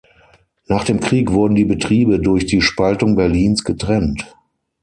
Nach dem Krieg wurden die Betriebe durch die Spaltung Berlins getrennt.